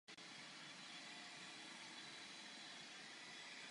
Tato teorie je však zpochybňována.